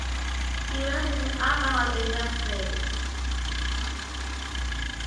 He works in the alcohol industry.